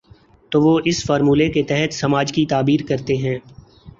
تو وہ اس فارمولے کے تحت سماج کی تعبیر کرتے ہیں۔